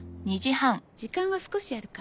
時間は少しあるか。